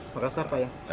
makassar pak ya